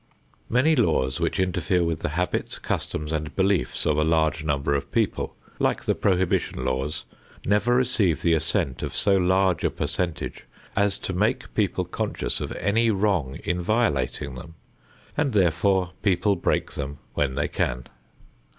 Many laws which interfere with the habits, customs and beliefs of a large number of people, like the prohibition laws, never receive the assent of so large a percentage as to make people conscious of any wrong in violating them, and therefore people break them when they can.